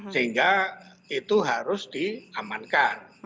sehingga itu harus diamankan